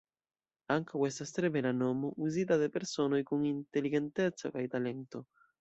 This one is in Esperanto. Ankaŭ estas tre bela nomo, uzita de personoj kun inteligenteco kaj talento.